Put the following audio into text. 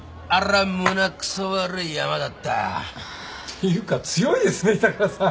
ていうか強いですね板倉さん。